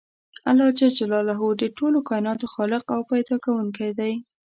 الله ج د ټولو کایناتو خالق او پیدا کوونکی دی .